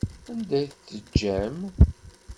Anda ay tt-teǧǧam?